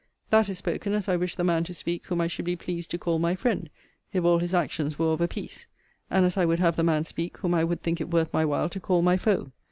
That is spoken as I wish the man to speak whom I should be pleased to call my friend, if all his actions were of a piece; and as I would have the man speak whom I would think it worth my while to call my foe.